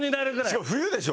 しかも冬でしょ？